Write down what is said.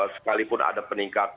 sekalipun ada peningkatan